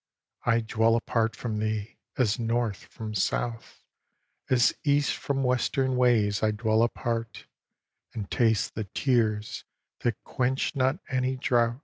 I dwell apart from thee, as north from south, As east from western ways I dwell apart, And taste the tears that quench not any drouth.